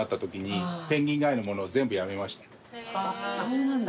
そうなんだ。